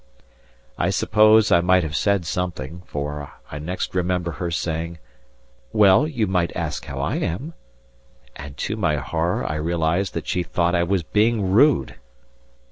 I suppose I must have said something, for I next remember her saying: "Well, you might ask how I am;" and to my horror I realized that she thought I was being rude!